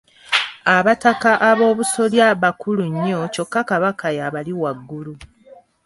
Abataka aboobusolya bakulu nnyo kyokka Kabaka y’abali waggulu.